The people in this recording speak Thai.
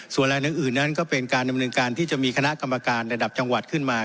ส่วนแรงอื่นนั้นก็เป็นการดำเนินการที่จะมีคณะกรรมการระดับจังหวัดขึ้นมา